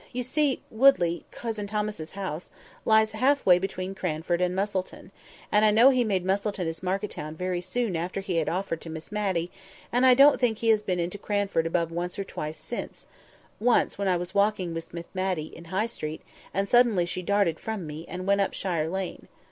You see Woodley, Cousin Thomas's house, lies half way between Cranford and Misselton; and I know he made Misselton his market town very soon after he had offered to Miss Matty; and I don't think he has been into Cranford above once or twice since—once, when I was walking with Miss Matty, in High Street, and suddenly she darted from me, and went up Shire Lane.